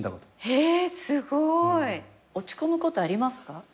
えすごい！落ち込むことありますか？